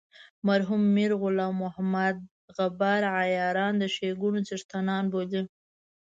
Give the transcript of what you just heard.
مرحوم میر غلام محمد غبار عیاران د ښیګڼو څښتنان بولي.